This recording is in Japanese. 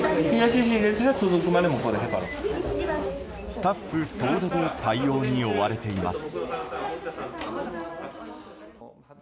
スタッフ総出で対応に追われています。